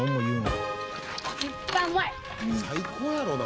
最高やろうな。